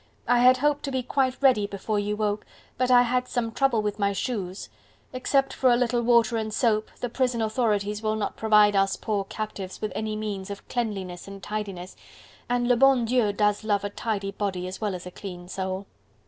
I had hoped to be quite ready before you woke, but I had some trouble with my shoes; except for a little water and soap the prison authorities will not provide us poor captives with any means of cleanliness and tidiness, and le bon Dieu does love a tidy body as well as a clean soul.